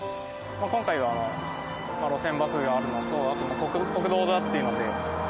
今回は路線バスがあるのとあと国道だっていうので。